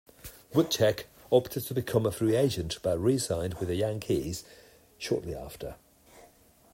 Bootcheck opted to become a free agent, but re-signed with the Yankees shortly after.